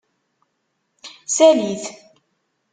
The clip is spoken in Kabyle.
Sali-t.